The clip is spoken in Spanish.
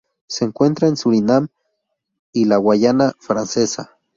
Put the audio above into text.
Se encuentra en Surinam y la Guayana Francesa.